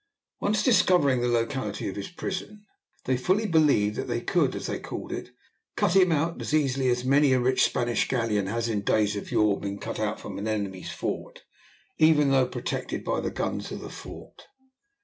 Once discovering the locality of his prison, they fully believed that they could, as they called it, "cut him out as easily as many a rich Spanish galleon has in days of yore been cut out from an enemy's fort, even though protected by the guns of the fort."